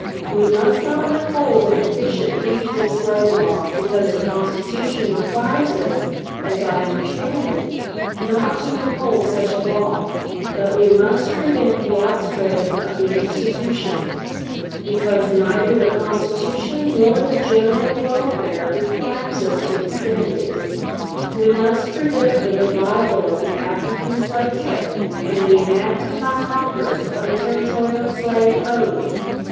We must not withhold an efficient fugitive slave law, because the Constitution requires us, as I understand it, not to withhold such a law. But we must prevent the outspreading of the institution, because neither the Constitution nor the general welfare requires us to extend it. We must prevent the revival of the African slave trade, and the enacting by Congress of a Territorial slave code.